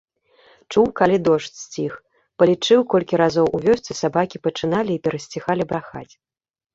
Чуў, калі дождж сціх, палічыў, колькі разоў у вёсцы сабакі пачыналі і перасціхалі брахаць.